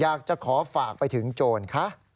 อยากจะขอฝากไปถึงโจรคะ